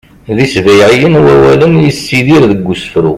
d isbayɛiyen wawalen i yessidir deg usefru